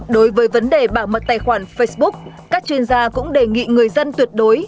đối với vấn đề bảo mật tài khoản facebook các chuyên gia cũng đề nghị người dân tuyệt đối